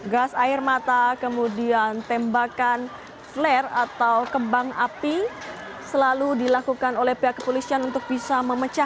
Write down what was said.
gas air mata kemudian tembakan flare atau kembang api selalu dilakukan oleh pihak kepolisian untuk bisa memecah